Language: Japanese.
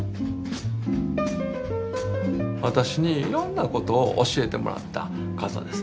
私にいろんなことを教えてもらった方です。